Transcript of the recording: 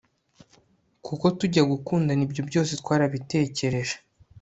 kuko tujya gukundana ibyo byose twarabitekereje